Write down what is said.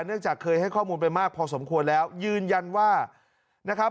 เนื่องจากเคยให้ข้อมูลไปมากพอสมควรแล้วยืนยันว่านะครับ